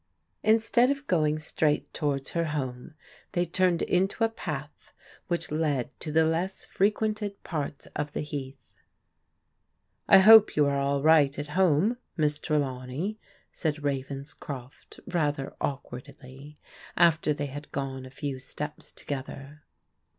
Instead of going straight towards her home, they turned into a path which led to the less frequented parts of the Heath. " I hope you are all right at home. Miss Trelawney," said Ravenscroft rather awkwardly, after they had gone a few steps together.